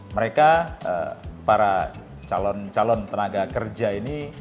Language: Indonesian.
mereka para calon calon tenaga kerja ini